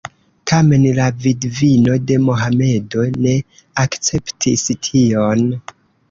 Tamen la vidvino de Mohamedo ne akceptis tion.